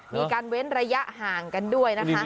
เว้นระยะห่างกันด้วยนะคะ